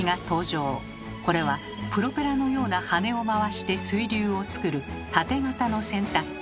これはプロペラのような羽根を回して水流を作るタテ型の洗濯機。